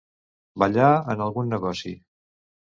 Ballar en algun negoci.